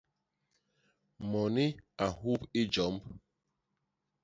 Moni a nhup i jomb.